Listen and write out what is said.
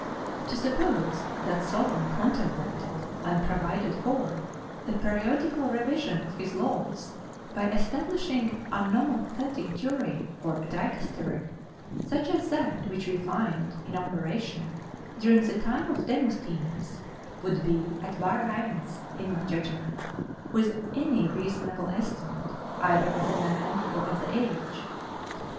To suppose that Solon contemplated and provided for the periodical revision of his laws by establishing a nomothetic jury or dicastery, such as that which we find in operation during the time of Demosthenes, would be at variance (in my judgment) with any reasonable estimate either of the man or of the age.